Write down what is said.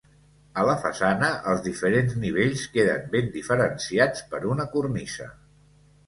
A la façana els diferents nivells queden ben diferenciats per una cornisa.